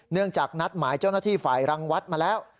เนื่องจากนัดหมายเจ้าหน้าที่ฝ่ายรังวัดมาแล้ว